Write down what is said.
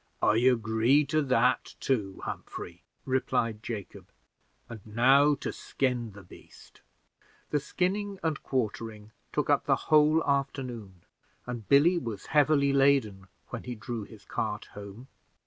"I agree to that too, Humphrey," replied Jacob; "and now to skin the beast." The skinning and quartering took up the whole afternoon, and Billy was heavy laden when he drew his cart home.